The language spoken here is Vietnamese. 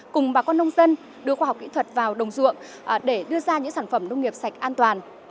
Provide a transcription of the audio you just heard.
cùng bà con nông dân đưa khoa học kỹ thuật vào đồng ruộng để đưa ra những sản phẩm nông nghiệp sạch an toàn